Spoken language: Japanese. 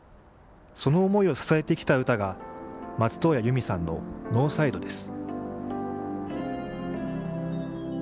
その思いを支えてきたウタが松任谷由実さんの「ノーサイド」です。